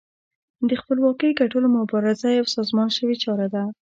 د خپلواکۍ ګټلو مبارزه یوه سازمان شوې چاره وه.